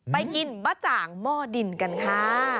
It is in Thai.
ไปกินบะจ่างหม้อดินกันค่ะ